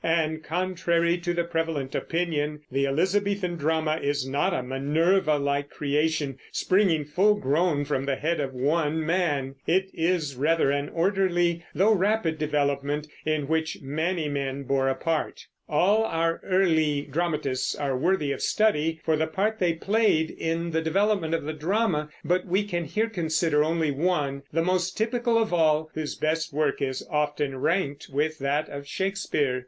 And, contrary to the prevalent opinion, the Elizabethan drama is not a Minerva like creation, springing full grown from the head of one man; it is rather an orderly though rapid development, in which many men bore a part. All our early dramatists are worthy of study for the part they played in the development of the drama; but we can here consider only one, the most typical of all, whose best work is often ranked with that of Shakespeare.